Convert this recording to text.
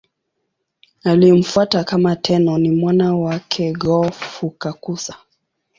Aliyemfuata kama Tenno ni mwana wake Go-Fukakusa.